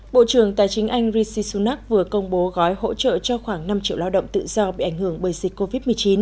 bộ trưởng tài chính anh rishi sunak vừa công bố gói hỗ trợ cho khoảng năm triệu lao động tự do bị ảnh hưởng bởi dịch covid một mươi chín